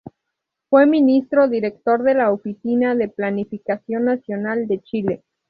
Fue ministro director de la Oficina de Planificación Nacional de Chile.